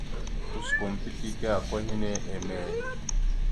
Kuskom pitike ako hinne shuŋgo emey ?